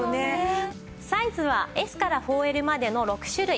サイズはＳから４Ｌまでの６種類。